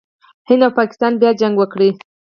هند او پاکستان بیا جنګ وکړ.